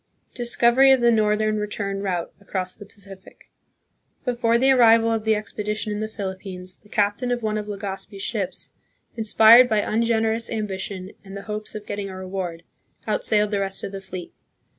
Discovery of the Northern Return Route across the Pacific. Before the arrival of the expedition in the Philippines, the captain of one of Legazpi's ships, in spired by ungenerous ambition and the hopes of getting a reward, outsailed the rest of the fleet.